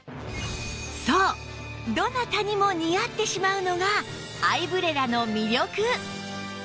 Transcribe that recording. そうどなたにも似合ってしまうのがアイブレラの魅力